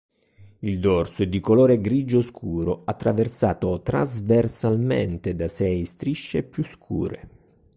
Il dorso è di colore grigio scuro, attraversato trasversalmente da sei strisce più scure.